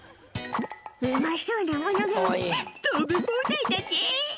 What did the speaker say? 「うまそうなものが食べ放題だぜ」